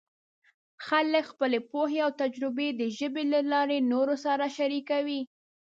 خلک خپلې پوهې او تجربې د ژبې له لارې نورو سره شریکوي.